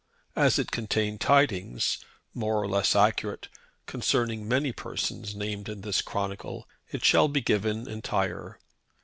As it contained tidings, more or less accurate, concerning many persons named in this chronicle, it shall be given entire.